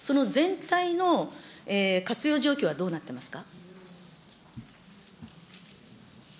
その全体の活用状況はどうなってますか。